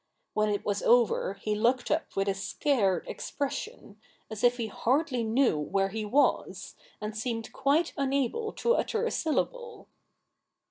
When it was over he looked up with a scared expression, as if he hardly knew where he was, and seemed quite unable to utter a syllable.